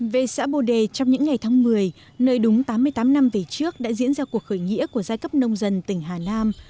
về xã bồ đề trong những ngày tháng một mươi nơi đúng tám mươi tám năm về trước đã diễn ra cuộc khởi nghĩa của giai cấp nông dân tỉnh hà nam